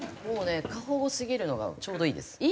もうね過保護すぎるのがちょうどいいです。